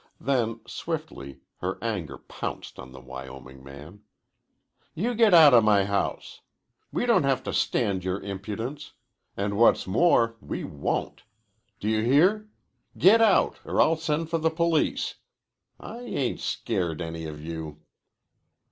Then, swiftly, her anger pounced on the Wyoming man. "You get outa my house. We don't have to stand yore impudence an' what's more, we won't. Do you hear? Get out, or I'll send for the police. I ain't scared any of you."